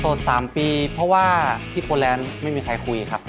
๓ปีเพราะว่าที่โปแลนด์ไม่มีใครคุยครับ